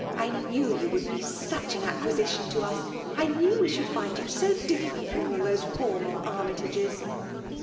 " I knew you would be such an aequisition to us — ^I knew we should find you so different from all those formal Armytages